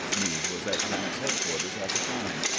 Meade was at Grant's headquarters at the time.